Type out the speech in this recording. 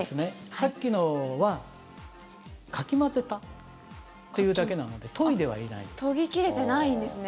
さっきのはかき混ぜたというだけなので研ぎ切れてないんですね。